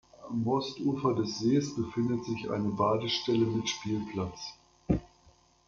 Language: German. Am Ostufer des Sees befindet sich eine Badestelle mit Spielplatz.